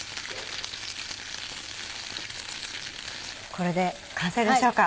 これで完成でしょうか？